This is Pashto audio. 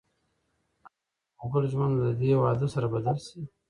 ایا د انارګل ژوند به د دې واده سره بدل شي؟